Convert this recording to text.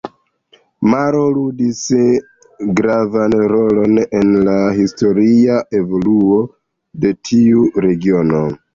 Maro ludis gravan rolon en la historia evoluo de tiu regiono.